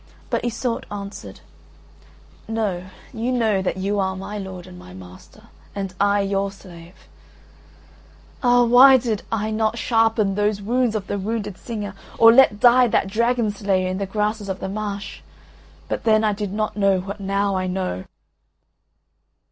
But Iseult answered, "No, you know that you are my lord and my master, and I your slave. Ah, why did I not sharpen those wounds of the wounded singer, or let die that dragon slayer in the grasses of the marsh? But then I did not know what now I know!"